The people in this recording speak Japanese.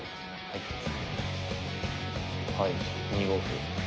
はい２五歩。